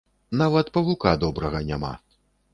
Нават павука добрага няма.